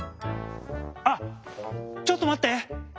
あっちょっとまって！